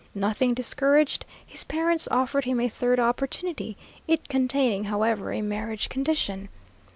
Nothing discouraged, his parents offered him a third opportunity, it containing, however, a marriage condition.